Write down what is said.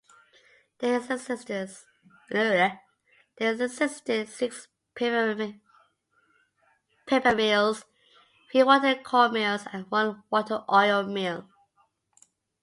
There existed six paper mills, three water-cornmills and one water-oil mill.